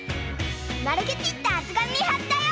まるくきったあつがみにはったよ！